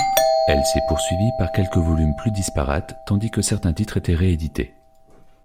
Elle s'est poursuivie par quelques volumes plus disparates tandis que certains titres étaient réédités.